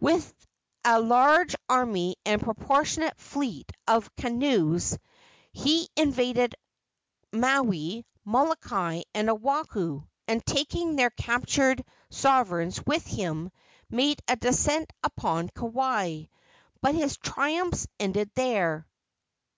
With a large army and proportionate fleet of canoes he invaded Maui, Molokai and Oahu, and, taking their captured sovereigns with him, made a descent upon Kauai. But his triumphs ended there.